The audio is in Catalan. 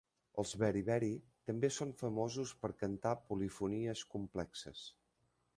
Els Beriberi també són famosos per cantar polifonies complexes.